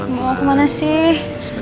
mau kemana sih